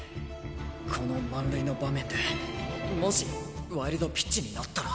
この満塁の場面でもしワイルドピッチになったら。